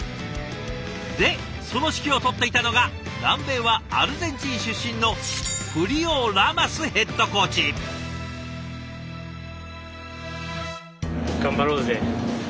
でその指揮を執っていたのが南米はアルゼンチン出身の頑張ろうぜ！